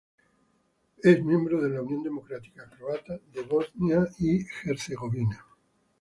Es miembro de la Unión Democrática Croata de Bosnia y Herzegovina.